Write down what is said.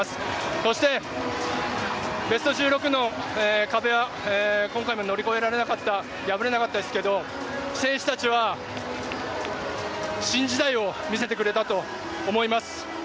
そしてベスト１６の壁は今回も乗り越えられなかった破れなかったですが選手たちは新時代を見せてくれたと思います。